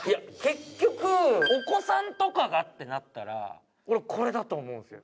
結局お子さんとかがってなったら俺これだと思うんですよ